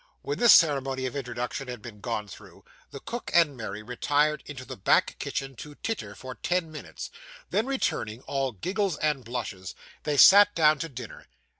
When this ceremony of introduction had been gone through, the cook and Mary retired into the back kitchen to titter, for ten minutes; then returning, all giggles and blushes, they sat down to dinner.